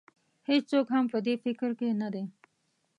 هېڅوک هم په دې فکر کې نه دی.